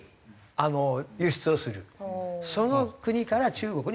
その国から中国に入る。